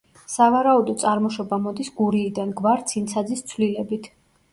სავარაუდო წარმოშობა მოდის გურიიდან, გვარ ცინცაძის ცვლილებით.